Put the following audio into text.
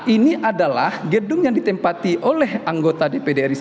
ini adalah gedung yang ditempati oleh anggota dp dri